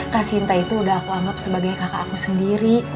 kasinta itu udah aku anggap sebagai kakak aku sendiri